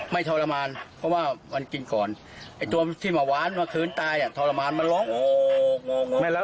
ไม่ทรมานเพราะว่ามันกินก่อนตัวที่มาว้านมาคืนตายทรมานมันล้ม